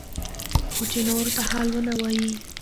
خو چې نورو ته حال ونه وايي.